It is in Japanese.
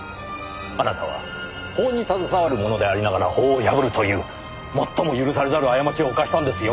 あなたは法に携わる者でありながら法を破るという最も許されざる過ちを犯したんですよ！